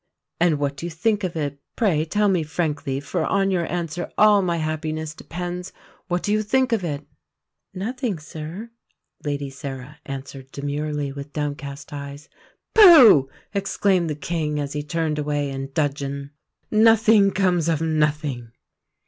"And what do you think of it? Pray tell me frankly; for on your answer all my happiness depends. What do you think of it?" "Nothing, sir," Lady Sarah answered demurely, with downcast eyes. "Pooh!" exclaimed the King, as he turned away in dudgeon, "nothing comes of nothing."